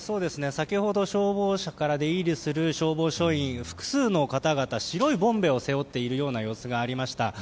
先ほど消防車から出入りする消防署員複数の方々白いボンベを背負っている様子がありました。